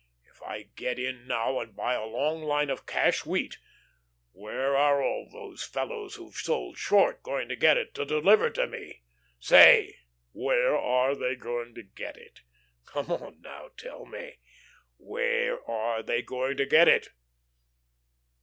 If I get in now and buy a long line of cash wheat, where are all these fellows who've sold short going to get it to deliver to me? Say, where are they going to get it? Come on now, tell me, where are they going to get it?"